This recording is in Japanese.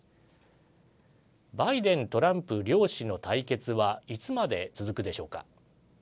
バイデン・トランプ両氏の対決はいつまで続くでしょうか。